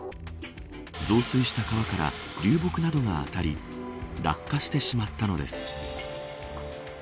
増水した川から流木などが当たり落下してしまったのです。